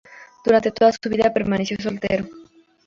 Durante toda su vida permaneció soltero.